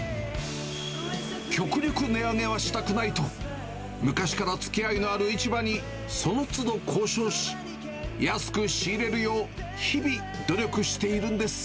極力値上げはしたくないと、昔からつきあいのある市場に、そのつど交渉し、安く仕入れるよう、日々、努力しているんです。